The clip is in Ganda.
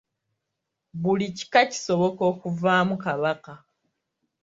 Buli kika kisoboka okuvaamu Kabaka.